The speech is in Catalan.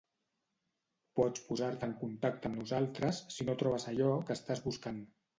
Pots posar-te en contacte amb nosaltres si no trobes allò que estàs buscant.